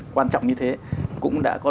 quan trọng như thế cũng đã có